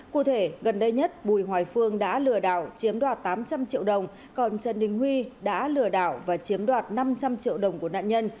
cụ thể gần đây nhất bùi hoài phương đã lừa đảo chiếm đoạt tám trăm linh triệu đồng còn trần đình huy đã lừa đảo và chiếm đoạt năm trăm linh triệu đồng của nạn nhân